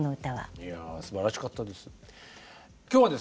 いやすばらしかったです。